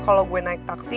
kalau gue naik taksi